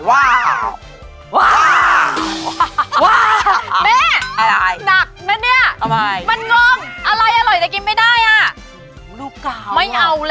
ว้าว